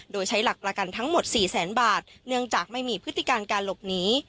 โดยใช้หลักประกันทั้งหมด๔แสนบาทเนื่องจากไม่มีพฤติการการหลบหนี